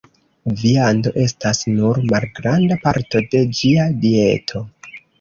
Viando estas nur malgranda parto de ĝia dieto.